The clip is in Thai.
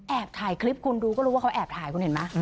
ถ่ายคลิปคุณดูก็รู้ว่าเขาแอบถ่ายคุณเห็นไหม